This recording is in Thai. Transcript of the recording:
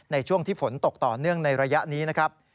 ในช่วงที่ฝนตกต่อเนื่องในระยะนี้นะครับ